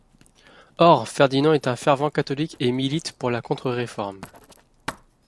Or, Ferdinand est un fervent catholique et milite pour la Contre-Réforme.